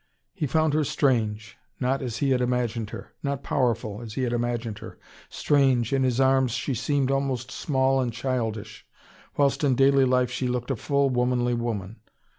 He found her strange, not as he had imagined her. Not powerful, as he had imagined her. Strange, in his arms she seemed almost small and childish, whilst in daily life she looked a full, womanly woman.